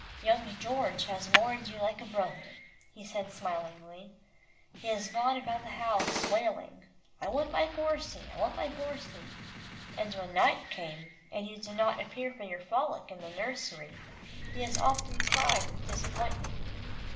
"Young George has mourned you like a brother," he said smilingly. "He has gone about the house wailing, 'I want my Borsie I want my Borsie,' and when night came, and you did not appear for your frolic in the nursery, he has often cried with disappointment."